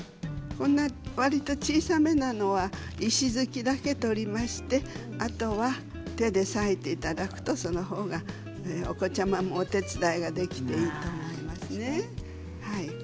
小さめのものは石突きだけを取りまして手で裂いていただくとそのほうがお子ちゃまもお手伝いができていいと思います。